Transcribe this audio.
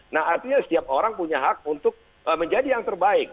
nah artinya setiap orang punya hak untuk menjadi yang terbaik